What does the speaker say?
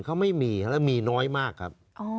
ก็ไม่มีค่ะแล้วมีน้อยมากครับ